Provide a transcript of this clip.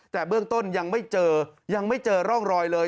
แต่เบื้องต้นยังไม่เจอยังไม่เจอร่องรอยเลย